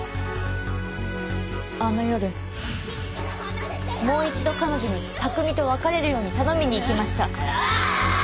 あの夜もう一度彼女に拓海と別れるように頼みに行きました。